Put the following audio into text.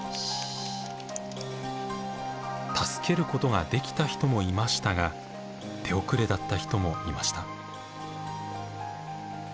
助けることができた人もいましたが手遅れだった人もいました。